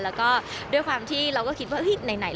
แล้วก็ด้วยความที่เราก็คิดว่าไหน